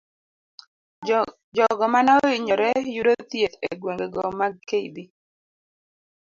Jogo mane oinyore yudo thieth egwengego mag kb.